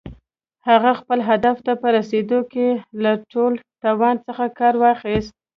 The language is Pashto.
هغه خپل هدف ته په رسېدلو کې له ټول توان څخه کار واخيست.